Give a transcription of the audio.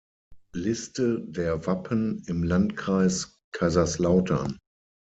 Liste der Wappen im Landkreis Kaiserslautern